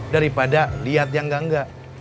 daripada lihat yang enggak enggak